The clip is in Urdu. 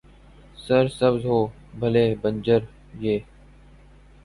سر سبز ہو، بھلے بنجر، یہ